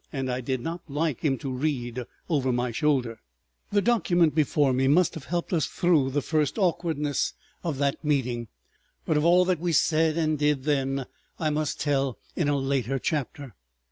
And I did not like him to read over my shoulder. ... The document before me must have helped us through the first awkwardness of that meeting. But of all that we said and did then I must tell in a later chapter.